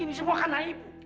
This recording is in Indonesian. ini semua karena ibu